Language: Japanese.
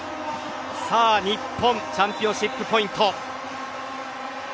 さあ日本チャンピオンシップポイント。